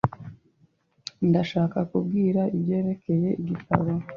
Ndashaka kubwira ibyerekeye igitabo.